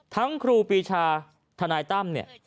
ทั้งครูปีชาทนายตั้มเนี่ย